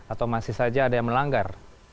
atau masih saja ada yang melanggar